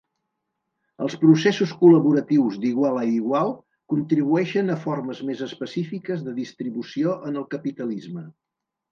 Els processos col·laboratius d'igual a igual contribueixen a formes més específiques de distribució en el capitalisme.